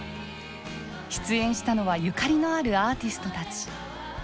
出演したのはゆかりのあるアーティストたち。